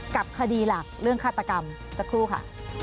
กับคดีหลักเรื่องฆาตกรรมสักครู่ค่ะ